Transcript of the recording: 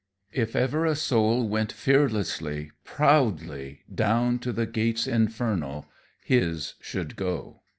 If ever a soul went fearlessly, proudly down to the gates infernal, his should go.